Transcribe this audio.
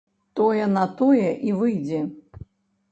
Тое на тое і выйдзе.